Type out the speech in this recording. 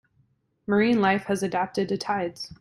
Marine life has adapted to tides.